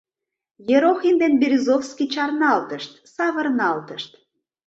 Ерохин ден Березовский чарналтышт, савырналтышт